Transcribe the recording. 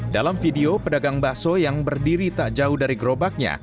dalam video pedagang bakso yang berdiri tak jauh dari gerobaknya